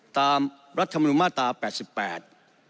ตามรัฐธรรมนูญมาตราแปดสิบแปด